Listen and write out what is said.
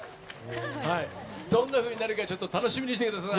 どんなふうになるか楽しみにしててください。